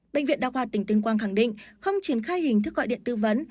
bệnh viện đa khoa tỉnh tuyên quang khẳng định không triển khai hình thức gọi điện tư vấn